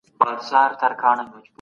هره پلټنه د یوې نوي موندنې پیل دی.